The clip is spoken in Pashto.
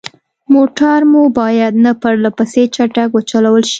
موټر مو باید نه پرلهپسې چټک وچلول شي.